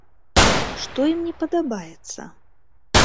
Што ім не падабаецца?